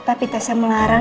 tapi tasya melarang